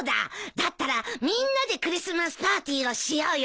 だったらみんなでクリスマスパーティーをしようよ。